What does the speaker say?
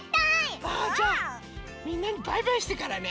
あじゃあみんなにバイバイしてからね。